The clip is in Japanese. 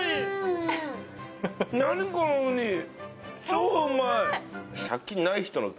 超うまい！